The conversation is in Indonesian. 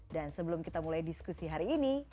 sebelum kita mulai diskusi hari ini